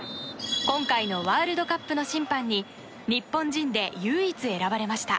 今回のワールドカップの審判に日本人で唯一選ばれました。